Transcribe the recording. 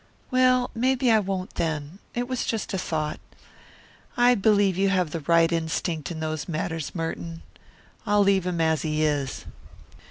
"Well, maybe I won't then. It was just a thought. I believe you have the right instinct in those matters, Merton. I'll leave him as he is."